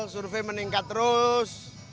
survei meningkat terus